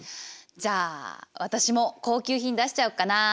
じゃあ私も高級品出しちゃおっかな。